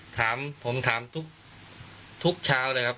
ถามผมถามทุกทุกชาวเลยครับ